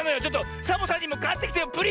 ちょっとサボさんにもかってきてよ